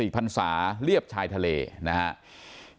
๘๔ภัณฑษาเลียบชายทะเลนะครับ